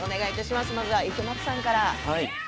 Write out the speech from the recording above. まずは池松さんから。